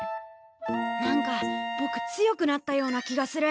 何かぼく強くなったような気がする。